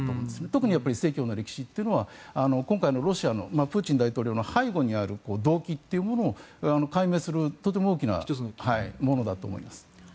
特に正教の歴史というのは今回のロシアのプーチン大統領の背後にある動機というものを解明するとても大きなものだと思います。